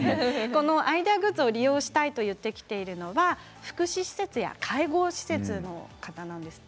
アイデアグッズを利用したいと言ってきたのは福祉施設や介護施設の方なんですって。